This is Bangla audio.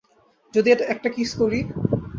যদি একটা কিস করি?